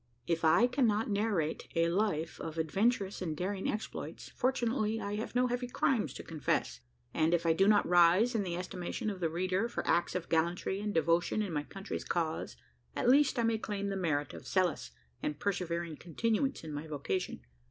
If I cannot narrate a life of adventurous and daring exploits, fortunately I have no heavy crimes to confess: and, if I do not rise in the estimation of the reader for acts of gallantry and devotion in my country's cause, at least I may claim the merit of zealous and persevering continuance in my vocation.